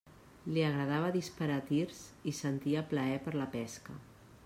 Li agradava disparar tirs i sentia plaer per la pesca.